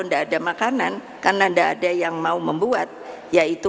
enggak ada makanan karena enggak ada yang mau membuat yaitu